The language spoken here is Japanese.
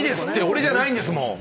俺じゃないんですもん。